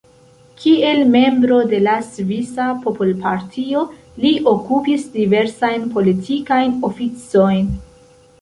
Kiel membro de la Svisa Popolpartio li okupis diversajn politikajn oficojn.